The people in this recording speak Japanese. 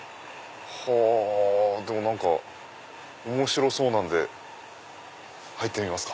でも何か面白そうなんで入ってみますか。